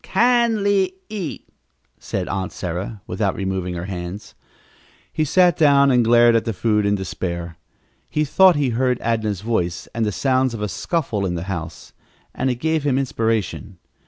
"Kindly eat," said Aunt Sarah, without removing her hands. He sat down and glared at the food in despair. He thought he heard Adnah's voice and the sounds of a scuffle in the house, and it gave him inspiration.